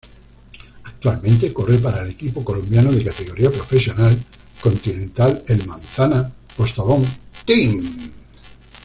Actualmente corre para el equipo colombiano de categoría Profesional Continental el Manzana Postobón Team.